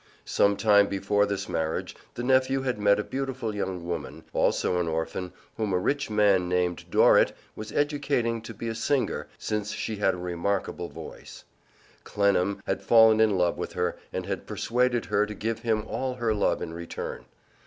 Some time before this marriage, the nephew had met a beautiful young woman, also an orphan, whom a rich man named Dorrit was educating to be a singer, since she had a remarkable voice. Clennam had fallen in love with her and had persuaded her to give him all her love in return.